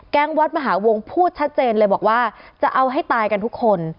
วัดมหาวงพูดชัดเจนเลยบอกว่าจะเอาให้ตายกันทุกคน